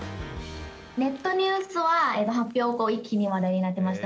ネットニュースは発表後、一気に話題になってました。